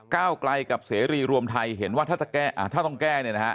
ก้าวไกลกับเสรีรวมไทยเห็นว่าถ้าต้องแก้